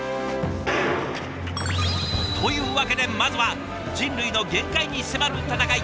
というわけでまずは人類の限界に迫る戦い